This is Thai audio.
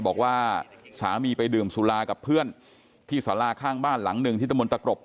บอกว่าสามีไปดื่มสุรากับเพื่อนที่สาราข้างบ้านหลังหนึ่งที่ตะมนตะกรบ